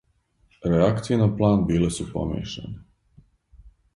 Реакције на план биле су помешане.